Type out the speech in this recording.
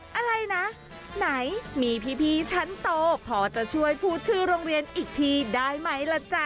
อะไรนะไหนมีพี่ชั้นโตพอจะช่วยพูดชื่อโรงเรียนอีกทีได้ไหมล่ะจ๊ะ